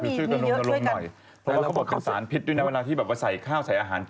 เพราะว่าเขาบอกว่าเป็นสารผิดด้วยในเวลาที่ใส่ข้าวใส่อาหารกิน